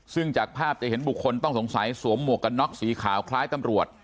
ซึ่งจากภาพจะเห็นบุคคลต้องสงสัยสวมหมวกกันน็อกสีขาวคล้ายตำรวจ